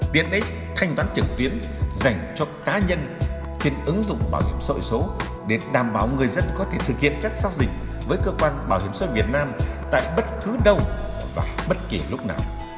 tiện ích thanh toán trực tuyến dành cho cá nhân trên ứng dụng bảo hiểm xã hội số để đảm bảo người dân có thể thực hiện các giao dịch với cơ quan bảo hiểm xã hội việt nam tại bất cứ đâu và bất kỳ lúc nào